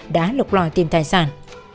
đã lục lòi tìm tài sản